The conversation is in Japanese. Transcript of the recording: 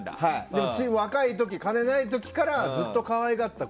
でも、若い時に金ない時からずっとかわいがってた。